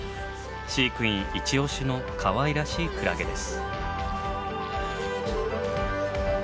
飼育員イチオシのかわいらしいクラゲです。